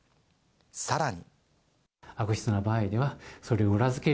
さらに。